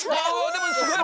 でもすごい！